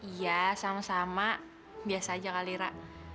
iya sama sama biasa aja kali rak